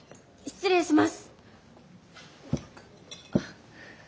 失礼します。